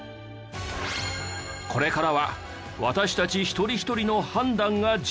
これからは私たち一人一人の判断が重要に。